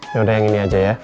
yaudah yang ini aja ya